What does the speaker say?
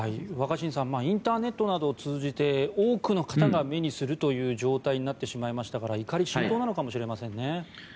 若新さんインターネットなどを通じて多くの方が目にするという状態になってしまいましたから怒り心頭なのかもしれませんね。